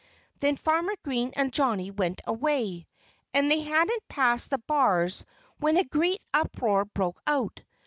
Then Farmer Green and Johnnie went away. And they hadn't passed the bars when a great uproar broke out.